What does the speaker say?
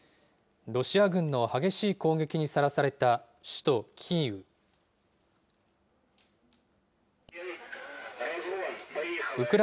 ロシア軍の激しい攻撃にさらされた首都キーウ。